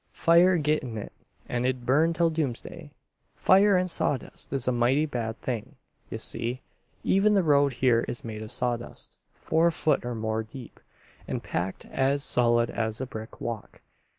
"Fire git in it and it'd burn till doomsday. Fire in sawdust is a mighty bad thing. Ye see, even the road here is made of sawdust, four foot or more deep and packed as solid as a brick walk.